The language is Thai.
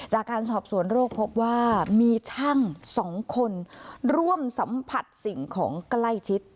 จากการสอบสวนโรคพบว่ามีช่าง๒คนร่วมสัมผัสสิ่งของใกล้ชิด